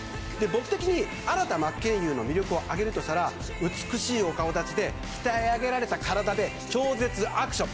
僕的に新田真剣佑の魅力を上げるとしたら美しいお顔立ちで鍛え上げられた体で超絶アクション。